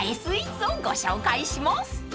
スイーツをご紹介します］